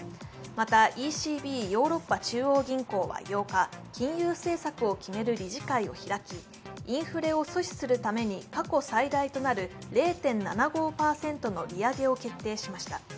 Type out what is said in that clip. また、ＥＣＢ＝ヨーロッパ中央銀行は８日、金融政策を決める理事会を開き、インフレを阻止するために過去最大となる０．７５％の利上げを決定しました。